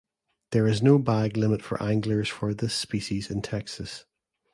There is no bag limit for anglers for this species in Texas.